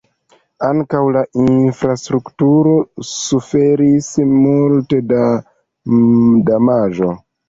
Ankaŭ la infrastrukturo suferis multe da damaĝo.